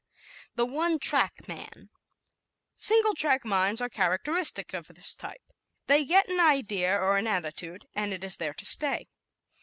The One Track Man ¶ "Single track minds" are characteristic of this type. They get an idea or an attitude and it is there to stay.